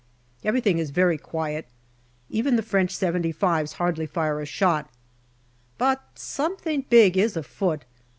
Everything is very quiet ; even the French " 75*5 " hardly fire a shot ; but something big is afoot.